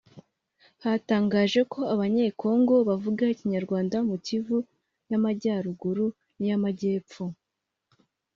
yatangaje ko Abanyekongo bavuga ikinyarwanda mu Kivu y’Amajyarugu n’iy’Amajyepfo